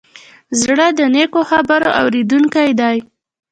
زړه د نیکو خبرو اورېدونکی دی.